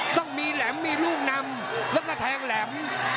ต้องมีแหลมมีลูกนำแล้วก็แทงแหลม